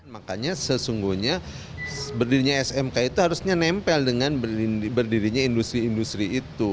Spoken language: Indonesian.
makanya sesungguhnya berdirinya smk itu harusnya nempel dengan berdirinya industri industri itu